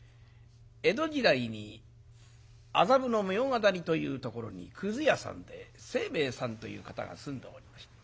江戸時代に麻布の茗荷谷というところにくず屋さんで清兵衛さんという方が住んでおりました。